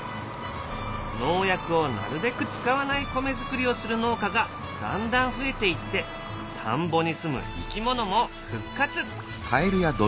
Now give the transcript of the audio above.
農薬をなるべく使わない米作りをする農家がだんだん増えていって田んぼにすむ生き物も復活！